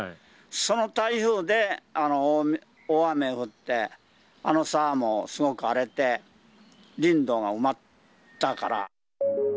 その台風で、大雨降って、あの沢もすごく荒れて、林道が埋まったから。